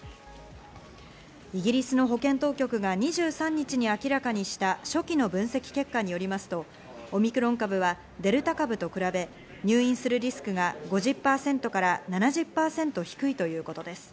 イギリスの保健当局が２３日に明らかにした初期の分析結果によりますと、オミクロン株はデルタ株と比べ、入院するリスクが５０％から７０％低いということです。